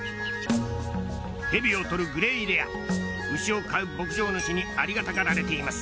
蛇を捕るグレイレア牛を飼う牧場主にありがたがられています。